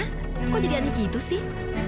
kenapa jadi aneh begitu sih